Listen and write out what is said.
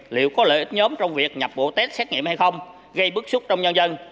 liệu có lợi ích nhóm trong việc nhập bộ test xét nghiệm hay không gây bức xúc trong nhân dân